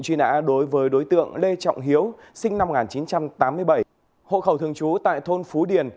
truy nã đối với đối tượng lê trọng hiếu sinh năm một nghìn chín trăm tám mươi bảy hộ khẩu thường trú tại thôn phú điền